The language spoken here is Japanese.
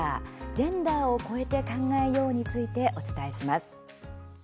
ジェンダーをこえて考えよう」についてお伝えします。